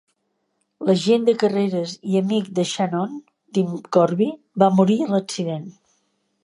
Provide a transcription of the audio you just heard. L'agent de carreres i amic de Channon, Tim Corby, va morir en l'accident.